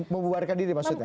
membuarkan diri maksudnya